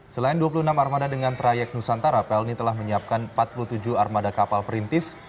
selain dua puluh enam armada dengan trayek nusantara pelni telah menyiapkan empat puluh tujuh armada kapal perintis